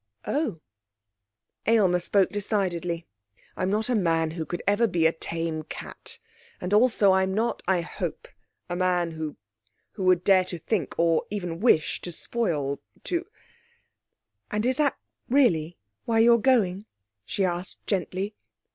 'Oh.' Aylmer spoke decidedly: 'I'm not a man who could ever be a tame cat. And also I'm not, I hope, a man who who would dare to think, or even wish, to spoil to ' 'And is that really why you're going?' she asked gently.